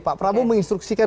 pak prabowo menginstruksikan